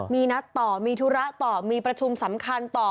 มีนัดต่อมีธุระต่อมีประชุมสำคัญต่อ